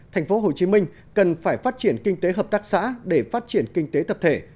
tp hcm cần phải phát triển kinh tế hợp tác xã để phát triển kinh tế tập thể